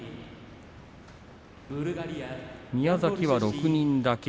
宮崎は６人だけ。